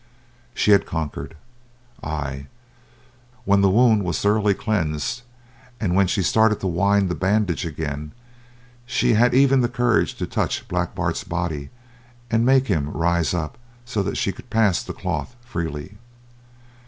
She had conquered! Ay, when the wound was thoroughly cleansed and when she started to wind the bandage again, she had even the courage to touch Black Bart's body and make him rise up so that she could pass the cloth freely.